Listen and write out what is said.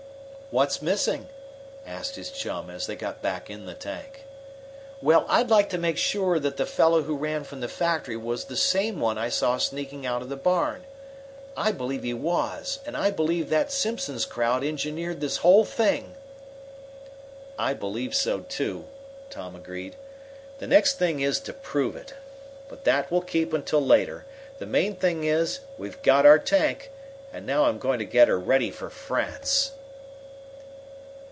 "What's missing?" asked his chum, as they got back in the tank. "Well, I'd like to make sure that the fellow who ran from the factory was the same one I saw sneaking out of the barn. I believe he was, and I believe that Simpson's crowd engineered this whole thing." "I believe so, too," Tom agreed. "The next thing is to prove it. But that will keep until later. The main thing is we've got our tank, and now I'm going to get her ready for France."